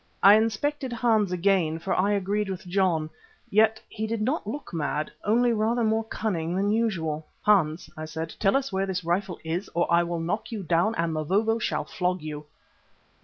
I inspected Hans again, for I agreed with John. Yet he did not look mad, only rather more cunning than usual. "Hans," I said, "tell us where this rifle is, or I will knock you down and Mavovo shall flog you."